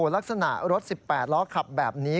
ลักษณะรถ๑๘ล้อขับแบบนี้